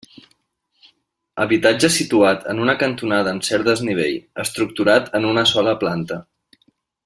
Habitatge situat en una cantonada en cert desnivell, estructurat en una sola planta.